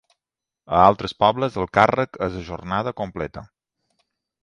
A altres pobles, el càrrec és a jornada completa.